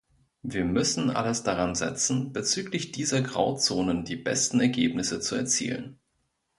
Wir müssen alles daransetzen, bezüglich dieser Grauzonen die besten Ergebnisse zu erzielen.